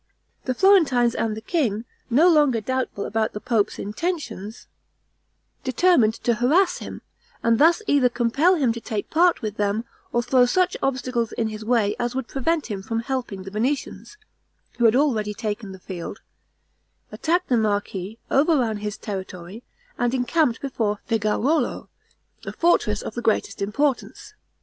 The Florentines and the king, no longer doubtful about the pope's intentions, determined to harass him, and thus either compel him to take part with them, or throw such obstacles in his way, as would prevent him from helping the Venetians, who had already taken the field, attacked the marquis, overran his territory, and encamped before Figaruolo, a fortress of the greatest importance.